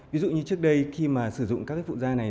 ví dụ như trước đây khi mà sử dụng các cái phụ da này